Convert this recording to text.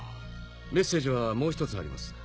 メッセージはもう１つあります。